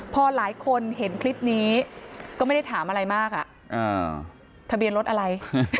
พอหลายคนเห็นคลิปนี้ก็ไม่ได้ถามอะไรมากทะเบียนรถอะไร